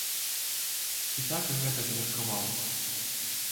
І так і гэтак меркаваў.